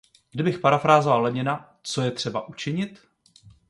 Kdybych parafrázoval Lenina, co je třeba učinit?